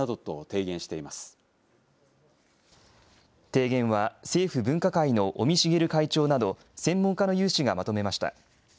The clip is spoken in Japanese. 提言は、政府分科会の尾身茂会長など、専門家の有志がまとめました。